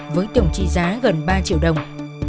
với tổng trị giá gần ba triệu đồng